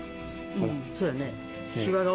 うん、そやね。